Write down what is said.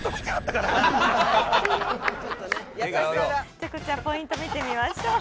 じゃあこちらポイント見てみましょう。